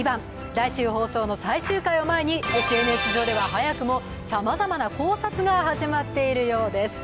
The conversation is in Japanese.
来週放送の最終回を前にＳＮＳ上では、早くもさまざまな考察が始まっているようです。